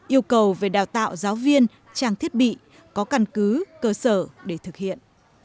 yêu cầu về đào tạo giáo viên trang thiết bị có căn cứ cơ sở để thực hiện